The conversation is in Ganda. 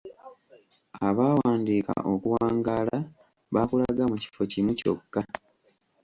Abaawandiika okuwangaala baakulaga mu kifo kimu kyokka.